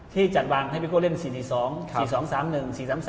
ที่จัดวางให้พี่โก้เล่น๔๔๒๔๒๓๑๔๓๓